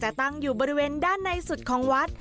แต่ตั้งอยู่บริเวณด้านในสุดของวัด